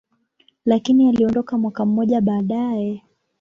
lakini aliondoka mwaka mmoja baadaye.